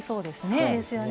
そうですね。